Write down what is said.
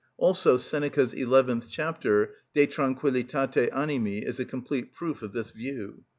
Also Seneca's eleventh chapter, "De Tranquilitate Animi," is a complete proof of this view.